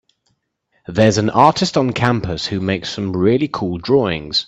There’s an artist on campus who makes some really cool drawings.